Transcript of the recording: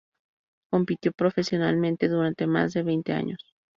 Compitió profesionalmente durante más de veinte años.